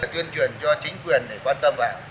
chuyên truyền cho chính quyền để quan tâm vào